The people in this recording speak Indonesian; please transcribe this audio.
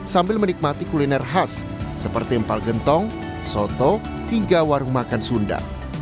sambil menikmati kuliner khas seperti empal gentong soto hingga warung makan sunda